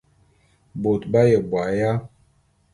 Bôt b'aye bo aya?